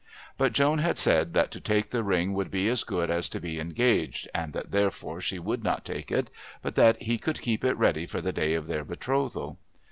But Joan had said that to take the ring would be as good as to be engaged, and that therefore she would not take it, but that he could keep it ready for the day of their betrothal.